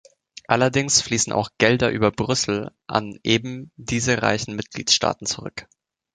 Allerdings fließen auch Gelder über Brüssel an eben diese reichen Mitgliedstaaten zurück.